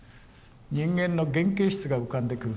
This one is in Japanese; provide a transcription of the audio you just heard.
人間の原形質が浮かんでくる。